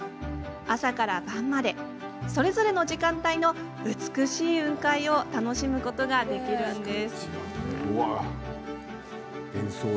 朝から晩までそれぞれの時間帯の美しい雲海を楽しむことができます。